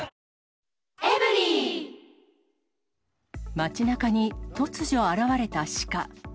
町なかに突如現れたシカ。